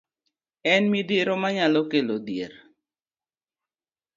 En midhiero manyalo kelo dhier.